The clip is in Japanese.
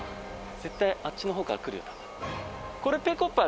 絶対あっちのほうから来るよな。